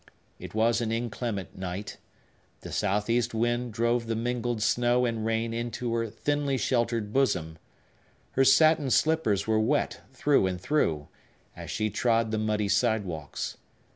It was an inclement night; the southeast wind drove the mingled snow and rain into her thinly sheltered bosom; her satin slippers were wet through and through, as she trod the muddy sidewalks.